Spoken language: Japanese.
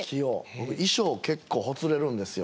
僕衣装結構ほつれるんですよ